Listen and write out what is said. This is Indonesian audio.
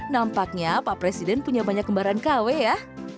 nampaknya pak presiden punya banyak kembaran kw ya